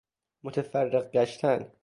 متفرق گشتن